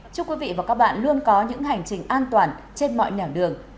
chúc quý vị và các bạn luôn có những hành trình an toàn trên mọi nẻo đường